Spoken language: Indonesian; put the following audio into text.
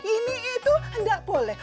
ini itu enggak boleh